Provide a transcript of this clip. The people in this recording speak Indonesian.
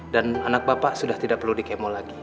dan anak bapak sudah tidak perlu di kemo lagi